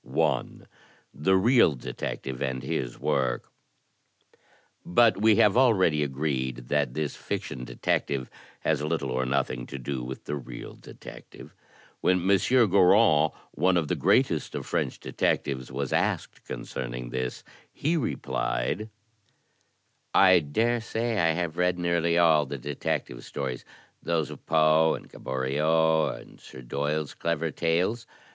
I. The Real Detective and His Work But we have already agreed that this fiction detective has little or nothing to do with the real detective. When M. Goron, one of the greatest of French detectives, was asked concerning this, he replied: "I dare say I have read nearly all the detective stories, those of Poe and Gaboriau, and *Sir Doyle's' clever tales.